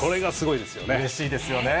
うれしいですよね。